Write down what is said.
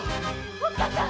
おっかさん！